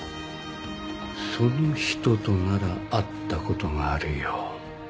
その人となら会ったことがあるよ。